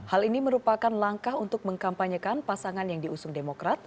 hal ini merupakan langkah untuk mengkampanyekan pasangan yang diusung demokrat